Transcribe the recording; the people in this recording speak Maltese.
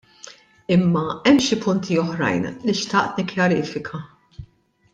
Imma hemm xi punti oħrajn li xtaqt nikkjarifika.